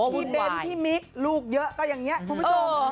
เบ้นพี่มิ๊กลูกเยอะก็อย่างนี้คุณผู้ชม